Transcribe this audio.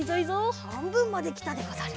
はんぶんまできたでござる。